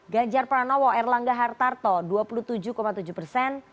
ganjar pranowo erlangga hartarto dua puluh tujuh tujuh persen